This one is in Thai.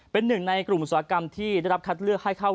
เป็นหนึ่งในกลุ่มอุตสาหกรรมที่ได้รับคัดเลือกให้เข้า